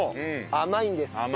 甘いんですって。